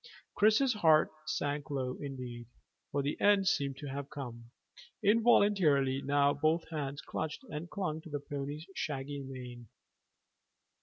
Chris's heart sank low indeed, for the end seemed to have come. Involuntarily now both hands clutched and clung to the pony's shaggy mane.